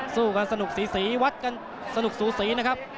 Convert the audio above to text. สู้กันสนุกสีสีวัดกันสนุกสูสี